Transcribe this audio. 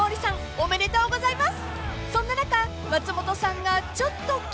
ありがとうございます。